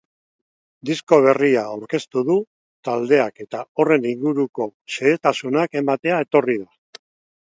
Disko berria aurkeztu du taldeak eta horren inguruko xehetasunak ematera etorri da.